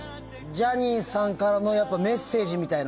ジャニーさんからのメッセージみたいな。